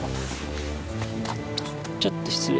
ちょっと失礼。